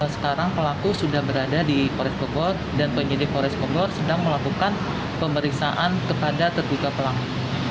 sekarang pelaku sudah berada di polres bogor dan penyidik polres bogor sedang melakukan pemeriksaan kepada terduga pelaku